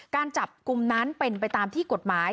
การจับกลุ่มนั้นเป็นไปตามที่กฎหมาย